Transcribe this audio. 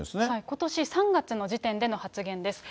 ことし３月の時点での発言です。